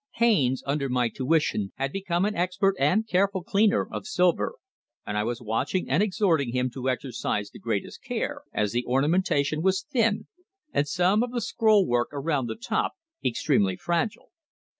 Haines, under my tuition, had become an expert and careful cleaner of silver, and I was watching and exhorting him to exercise the greatest care, as the ornamentation was thin, and some of the scrollwork around the top extremely fragile.